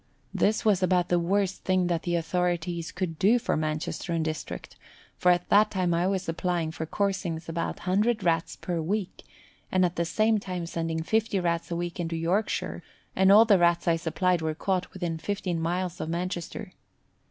This was about the worst thing that the authorities could do for Manchester and district, for at that time I was supplying for coursings about 100 Rats per week, and at the same time sending 50 Rats a week into Yorkshire, and all the Rats I supplied were caught within 15 miles of Manchester.